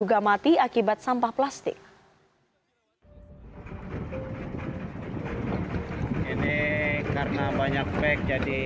juga mati akibat sampah plastik